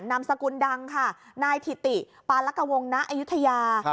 นามสกุลดังค่ะนายถิติปาลักวงณอายุทยา